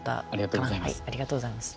ありがとうございます。